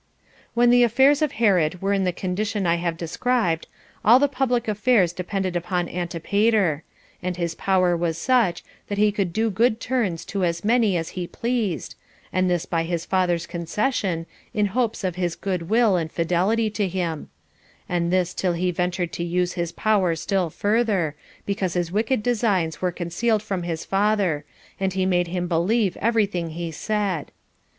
4. When the affairs of Herod were in the condition I have described, all the public affairs depended upon Antipater; and his power was such, that he could do good turns to as many as he pleased, and this by his father's concession, in hopes of his good will and fidelity to him; and this till he ventured to use his power still further, because his wicked designs were concealed from his father, and he made him believe every thing he said.